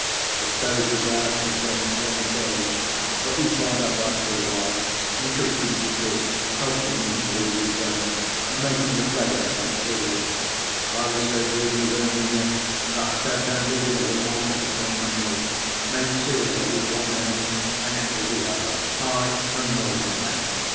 The stove was out, and gone stone cold; but we fired up after a while, and cooked each a dish, helping and hindering each other, and making a play of it like children. I was so greedy of her nearness that I sat down to dinner with my lass upon my knee, made sure of her with one hand, and ate with the other. Ay, and more than that.